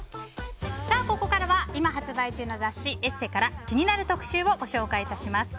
ここからは今発売中の雑誌「ＥＳＳＥ」から気になる特集をご紹介します。